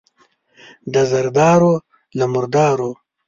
د زردارو، له مردارو.